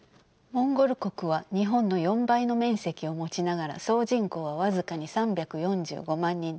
モンゴル国は日本の４倍の面積を持ちながら総人口は僅かに３４５万人です。